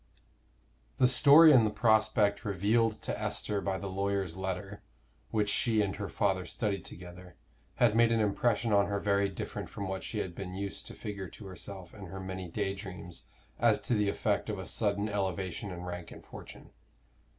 The story and the prospect revealed to Esther by the lawyer's letter, which she and her father studied together, had made an impression on her very different from what she had been used to figure to herself in her many day dreams as to the effect of a sudden elevation in rank and fortune.